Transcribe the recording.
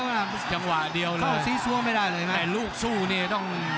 วัวเดียวเลยใช้ว่าไม่ได้เลยนะลูกซู่เนี่ยต้อง